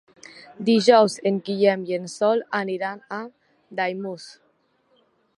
Dijous en Guillem i en Sol aniran a Daimús.